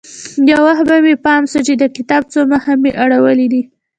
يو وخت به مې پام سو چې د کتاب څو مخه مې اړولي دي.